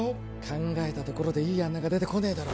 考えたところでいい案なんか出てこねえだろ